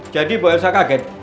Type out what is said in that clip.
jadi buat saya kaget